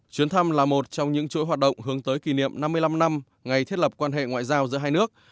chuyến thăm là một trong những chuỗi hoạt động hướng tới kỷ niệm năm mươi năm năm ngày thiết lập quan hệ ngoại giao giữa hai nước